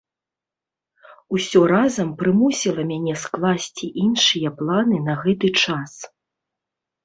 Усё разам прымусіла мяне скласці іншыя планы на гэты час.